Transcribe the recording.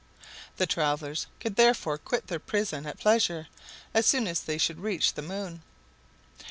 The travelers could therefore quit their prison at pleasure, as soon as they should reach the moon.